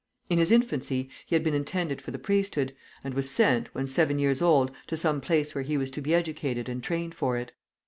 In his infancy he had been intended for the priesthood, and was sent, when seven years old, to some place where he was to be educated and trained for it.